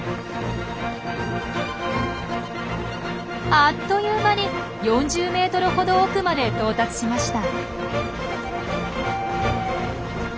あっという間に４０メートルほど奥まで到達しました。